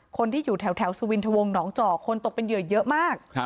คนที่อยู่แถวสุวินทวงหนองจอกคนตกเป็นเหยื่อเยอะมาก